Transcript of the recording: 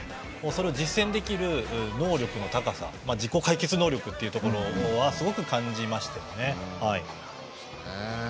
それを実践できる能力の高さ自己解決能力というところはすごく感じましたよね。